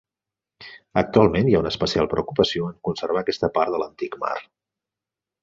Actualment hi ha una especial preocupació en conservar aquesta part de l'antic mar.